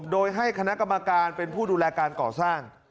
โดยให้คณะกรรมการเป็นผู้ดูแลการก่อสร้าง